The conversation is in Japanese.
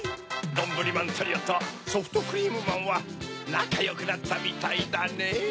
どんぶりまんトリオとソフトクリームマンはなかよくなったみたいだねぇ。